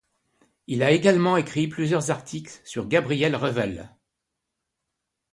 Il a également écrit plusieurs articles sur Gabriel Revel.